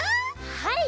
はい！